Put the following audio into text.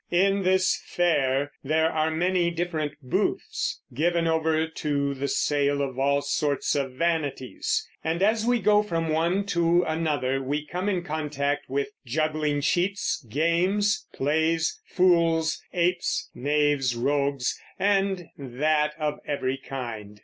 In this fair there are many different booths, given over to the sale of "all sorts of vanities," and as we go from one to another we come in contact with "juggling, cheats, games, plays, fools, apes, knaves, rogues, and that of every kind."